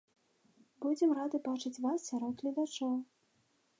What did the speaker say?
Будзем рады бачыць вас сярод гледачоў!